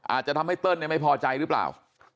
อาจจะทำให้เติ้ลไม่พอใจหรือเปล่า